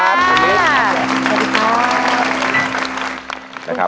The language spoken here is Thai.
สวัสดีครับ